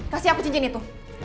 kasih aku cincin itu